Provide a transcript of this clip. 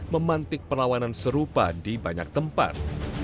memantik perlawanan serupa di banyak tempat